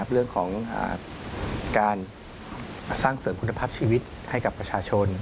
เรื่องของการสร้างเสริมคุณภาพชีวิตให้กับประชาชน